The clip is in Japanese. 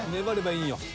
［粘ればいいんよ］